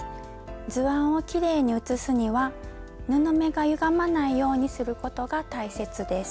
図案をきれいに写すには布目がゆがまないようにすることが大切です。